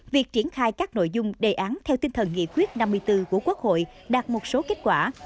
việc triển khai các nội dung đề án theo tinh thần nghị quyết năm mươi bốn của quốc hội đạt một số kết quả